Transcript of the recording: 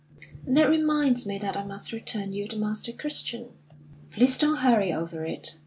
"That reminds me that I must return you the 'Master Christian.'" "Please don't hurry over it.